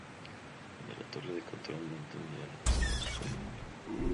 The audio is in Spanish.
De la torre de control no entendían lo que estaba sucediendo.